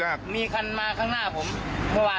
มานี้เขาเห็นอยู่๓คน